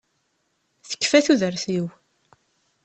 Tekfa tudert-iw!